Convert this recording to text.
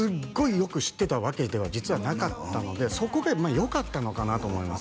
よく知ってたわけでは実はなかったのでそこがよかったのかなと思います